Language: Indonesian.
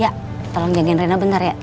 ya tolong jagain rena benar ya